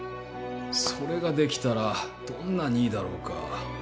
それができたらどんなにいいだろうか。